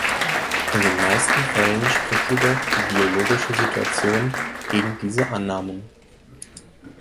In den meisten Fällen spricht jedoch die geologische Situation gegen diese Annahmen.